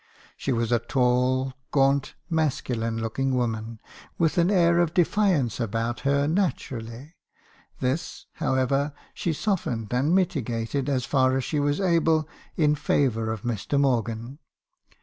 She was a tall, gaunt, masculine looking woman, with an air of defiance about her, naturally; this, however, she softened and mitigated , as far as she was able, in favour of Mr. Morgan.